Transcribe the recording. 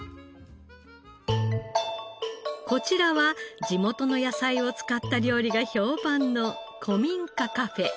こちらは地元の野菜を使った料理が評判の古民家カフェ。